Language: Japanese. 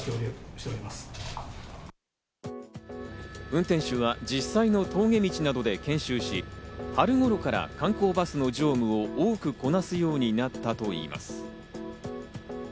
運転手は実際の峠道などで研修し、春頃から観光バスの乗務を多くこなすようになったといいます。